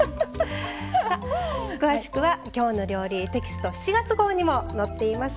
さあ詳しくは「きょうの料理」テキスト７月号にも載っています。